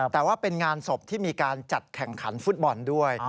แต่ว่าเป็นงานศพที่มีการจัดแข่งขันฟุตบอลด้วย